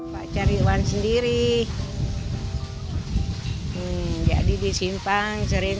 pak cari uang sendiri jadi disimpan sering sepuluh